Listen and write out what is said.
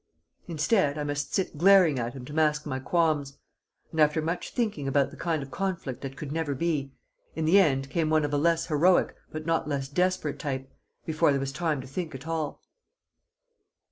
Instead, I must sit glaring at him to mask my qualms. And after much thinking about the kind of conflict that could never be, in the end came one of a less heroic but not less desperate type, before there was time to think at all.